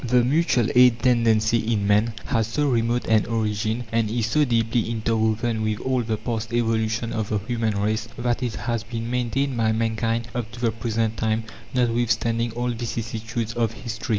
The mutual aid tendency in man has so remote an origin, and is so deeply interwoven with all the past evolution of the human race, that it has been maintained by mankind up to the present time, notwithstanding all vicissitudes of history.